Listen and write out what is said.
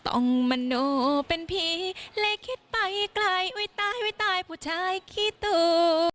มโนเป็นผีเลยคิดไปไกลอุ้ยตายไว้ตายผู้ชายขี้ตู